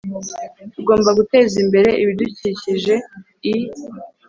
Tugomba guteza imbere ibidukikije i